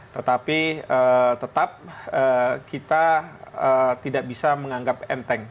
tetapi tetap kita tidak bisa menganggap enteng